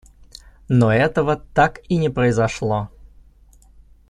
Но этого так и не произошло.